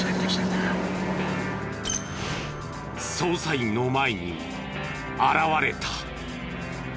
捜査員の前に現れた！